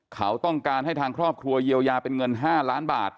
เขาต้องการให้ทางครอบครัวเยียวยาเป็นเงิน๕ล้านบาท